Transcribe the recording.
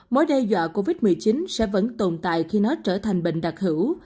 mối đe dọa covid một mươi chín sẽ vẫn tồn tại khi nó trở thành bệnh đặc hữu